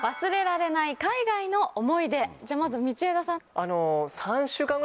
じゃまず道枝さん。